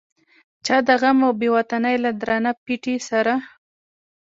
چا د غم او بې وطنۍ له درانه پیټي سره.